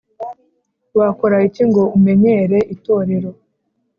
Wakora iki ngo umenyere itorero